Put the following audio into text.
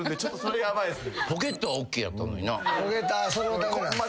ポケットはＯＫやったのにな。